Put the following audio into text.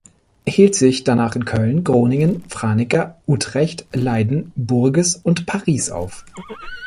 Er hielt sich danach in Köln, Groningen, Franeker, Utrecht, Leiden, Bourges und Paris auf.